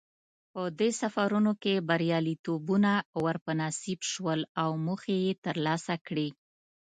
په دې سفرونو کې بریالیتوبونه ور په نصیب شول او موخې یې ترلاسه کړې.